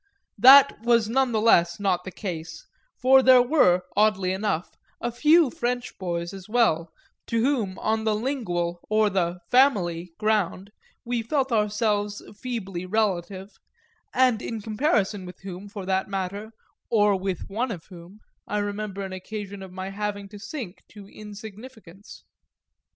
That was none the less not the case, for there were, oddly enough, a few French boys as well, to whom on the lingual or the "family" ground, we felt ourselves feebly relative, and in comparison with whom, for that matter, or with one of whom, I remember an occasion of my having to sink to insignificance.